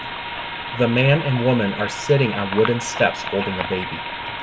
The man and woman are sitting on wooden steps holding a baby.